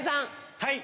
はい。